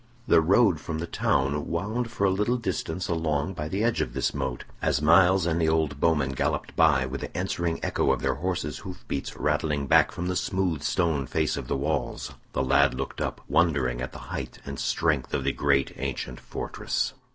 The road from the town wound for a little distance along by the edge of this moat. As Myles and the old bowman galloped by, with the answering echo of their horses' hoof beats rattling back from the smooth stone face of the walls, the lad looked up, wondering at the height and strength of the great ancient fortress.